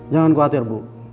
jangan khawatir bu